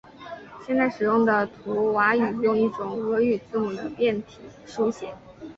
现在使用的图瓦语用一种俄语字母的变体书写。